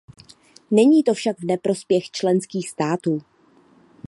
Není to však v neprospěch členských států.